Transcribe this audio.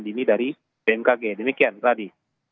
dan ini dari bmkg demikian radhi